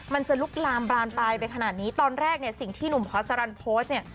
มันจะลุกลามบานปลายไปขนาดนี้ตอนแรกเนี่ยสิ่งที่หนุ่มพอสรรโพสต์เนี่ย